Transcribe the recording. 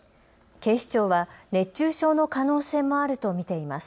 警視庁は熱中症の可能性もあると見ています。